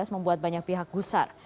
membuat banyak pihak gusar